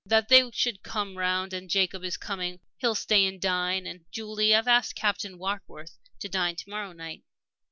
that they should come round. And Jacob is coming; he'll stay and dine. And, Julie, I've asked Captain Warkworth to dine to morrow night."